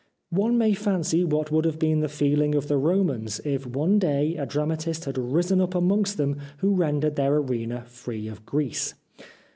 One may fancy what would have been the feehng of the Romans if one day a dramatist had risen up amongst them who rendered their arena free of Greece.